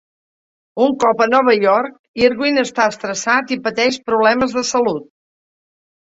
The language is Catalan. Un cop a Nova York, Irving està estressat i pateix problemes de salut.